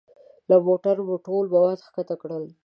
له موټرو مو ټول مواد ښکته کړل.